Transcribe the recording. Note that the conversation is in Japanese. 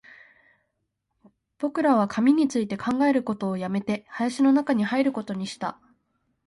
僕らは紙について考えることを止めて、林の中に入ることにした